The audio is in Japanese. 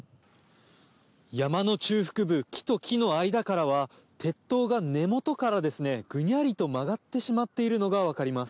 山の中腹部木と木の間からは鉄塔が根元からぐにゃりと曲がってしまっているのがわかります。